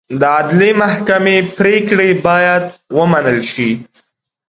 د عدلي محکمې پرېکړې باید ومنل شي.